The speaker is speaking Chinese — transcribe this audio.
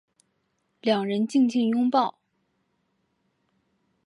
两人静静拥抱